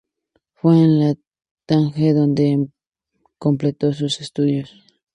Fue en Tánger donde completó sus estudios.